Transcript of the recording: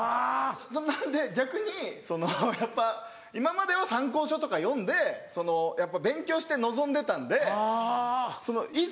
なので逆にそのやっぱ今までは参考書とか読んでやっぱ勉強して臨んでたんでいざ